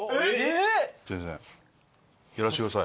やらしてください。